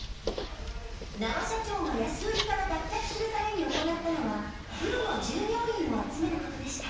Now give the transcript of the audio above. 那波社長が、安売りから脱却するために行ったのはプロの従業員を集めることでした。